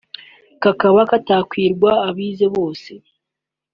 kakaba katakwirwa abize bose